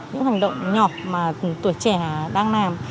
những hành động nhỏ mà tuổi trẻ đang làm